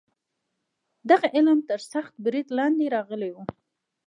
دغه علم تر سخت برید لاندې راغلی و.